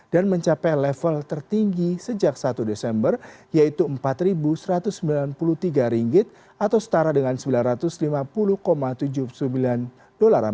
dan mencapai level tertinggi sejak satu desember yaitu rp empat satu ratus sembilan puluh tiga atau setara dengan rp sembilan ratus lima puluh tujuh puluh sembilan per ton